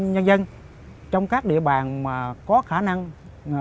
nhân dân trong các địa bàn mà có khả năng